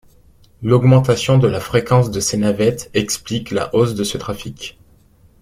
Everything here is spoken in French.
L'augmentation de la fréquence de ses navettes explique la hausse de ce trafic.